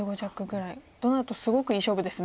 となるとすごくいい勝負ですね。